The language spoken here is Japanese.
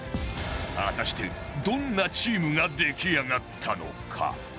果たしてどんなチームが出来上がったのか？